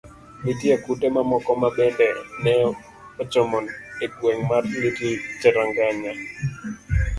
Nitie kute mamoko ma bende ne ochomo e gweng' mar Little Cherangany.